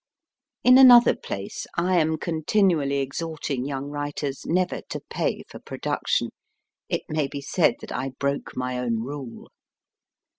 In another place I am continually exhorting young writers never to pay for production. It may be said that I broke my own rule.